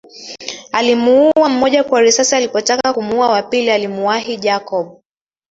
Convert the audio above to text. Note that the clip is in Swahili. Alimuua mmoja kwa risasi alipotaka kumuua wa pili alimuwahi Jacob